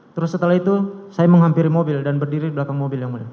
terus setelah itu saya menghampiri mobil dan berdiri di belakang mobil yang mulia